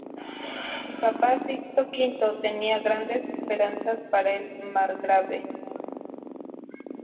El papa Sixto V tenía grandes esperanzas para el margrave.